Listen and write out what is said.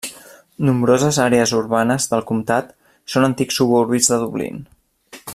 Nombroses àrees urbanes del comtat són antics suburbis de Dublín.